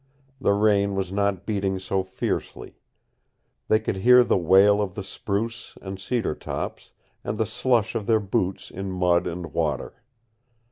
The rain was not beating so fiercely. They could hear the wail of the spruce and cedar tops and the slush of their boots in mud and water.